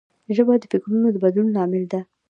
ژبه د فکرونو د بدلون لامل ده